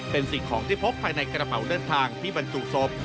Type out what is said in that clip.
เป็นสิ่งของที่พบภายในกระเป๋าเดินทางที่บรรจุศพ